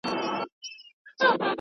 بې وزله خلګ تل تر پښو لاندې کیږي.